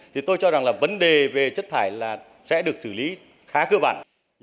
thì tôi cho rằng là vấn đề về chất thải là sẽ được xử lý khá cơ bản